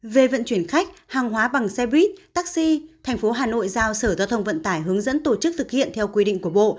về vận chuyển khách hàng hóa bằng xe buýt taxi tp hcm giao sở giao thông vận tải hướng dẫn tổ chức thực hiện theo quy định của bộ